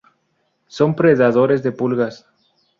Son predadores de pulgas.